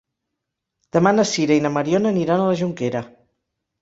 Demà na Sira i na Mariona aniran a la Jonquera.